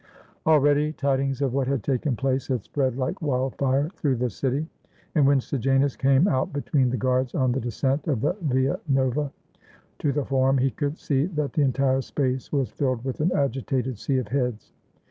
Already tidings of what had taken place had spread Hke wild fire through the city; and when Sejanus came out between the guards on the descent of the Via Nova to the forum, he could see that the entire space was filled with an agitated sea of heads.